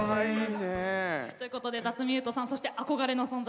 ということで、辰巳ゆうとさんそして憧れの存在